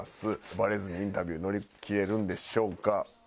バレずにインタビュー乗り切れるんでしょうか？